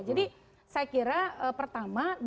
jadi saya kira pertama dalil itu